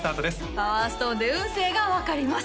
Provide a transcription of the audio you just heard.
パワーストーンで運勢が分かります